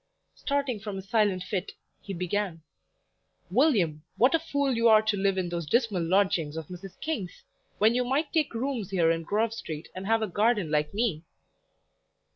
Starting from his silent fit, he began: "William! what a fool you are to live in those dismal lodgings of Mrs. King's, when you might take rooms here in Grove Street, and have a garden like me!"